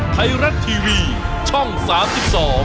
ไทยรัฐทีวีช่องสามสิบสอง